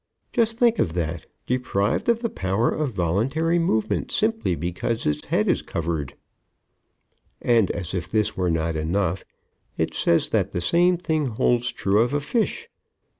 Just think of that, deprived of the power of voluntary movement simply because its head is covered! And, as if this were not enough, it says that the same thing holds true of a fish!